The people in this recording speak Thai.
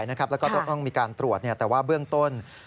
แล้วก็ต้องมีการตรวจแต่ว่าเบื้องต้น